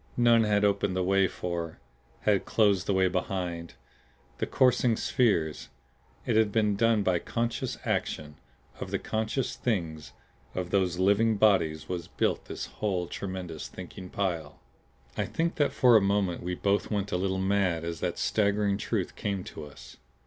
None had opened the way for, had closed the way behind, the coursing spheres. It had been done by the conscious action of the conscious Things of whose living bodies was built this whole tremendous thinking pile! I think that for a moment we both went a little mad as that staggering truth came to us.